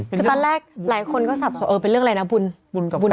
คือตอนแรกหลายคนก็สับเออเป็นเรื่องอะไรนะบุญบุญกับบุญ